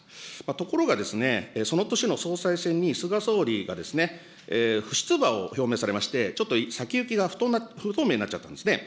ところが、その年の総裁選に菅総理が不出馬を表明されまして、ちょっと先行きが不透明になっちゃったんですね。